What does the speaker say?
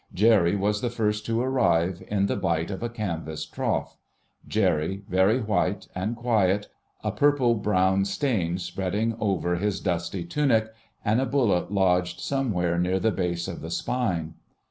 Jerry was the first to arrive, "in the bight of a canvas trough"—Jerry, very white and quiet, a purple brown stain spreading over his dusty tunic and a bullet lodged somewhere near the base of the spine.